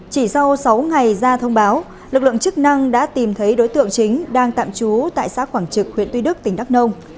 chỉ sau sáu ngày ra thông báo lực lượng chức năng đã tìm thấy đối tượng chính đang tạm trú tại xã quảng trực huyện tuy đức tỉnh đắk nông